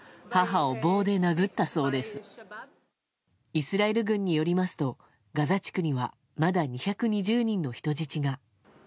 イスラエル軍によりますとガザ地区にはまだ２２０人の人質が。